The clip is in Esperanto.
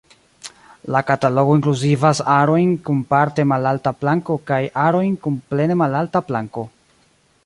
La katalogo inkluzivas arojn kun parte malalta planko kaj arojn kun plene malalta planko.